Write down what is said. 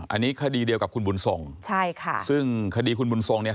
อันนี้คดีเดียวกับคุณบุญทรงใช่ค่ะซึ่งคดีคุณบุญทรงเนี่ย